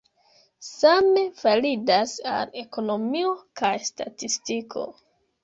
Same validas al ekonomio kaj statistiko.